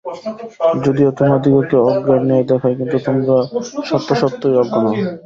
যদিও তোমাদিগকে অজ্ঞের ন্যায় দেখায়, কিন্তু তোমরা সত্য সত্যই অজ্ঞ নও।